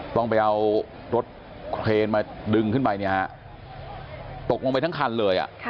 ต้องกินอาตรวจเคนดึงขึ้นไปตกลงไปทั้งคนเลย